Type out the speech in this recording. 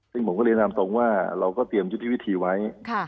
ซึ่งผมก็เรียนตามตรงว่าเราก็เตรียมยุทธวิธีไว้